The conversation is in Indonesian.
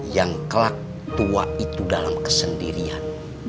yang kelak tua itu dalam kesendirian